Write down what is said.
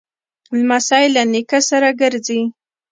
لمسی له نیکه سره ګرځي.